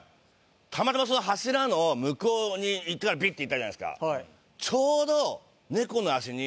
たまたまその柱の向こうにビッていったじゃないですか